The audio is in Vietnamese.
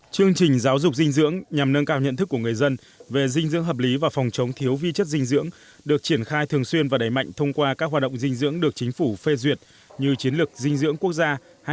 chương trình giáo dục dinh dưỡng nhằm nâng cao nhận thức của người dân về dinh dưỡng hợp lý và phòng chống thiếu vi chất dinh dưỡng được triển khai thường xuyên và đẩy mạnh thông qua các hoạt động dinh dưỡng được chính phủ phê duyệt như chiến lược dinh dưỡng quốc gia hai nghìn một mươi